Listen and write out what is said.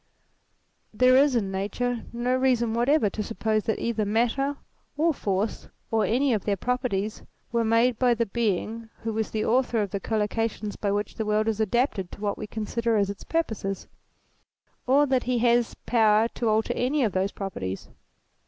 There is in Nature no reason whatever to suppose that either Matter or Force, or any of their properties, were made by the Being who was the author of the collocations by which the world is adapted to what we consider as its purposes ; or that he has power to alter any of those properties.